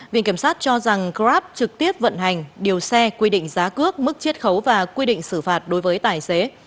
viện kiểm sát cho rằng grab trực tiếp vận hành điều xe quy định giá cước mức chiết khấu và quy định xử phạt đối với tài xế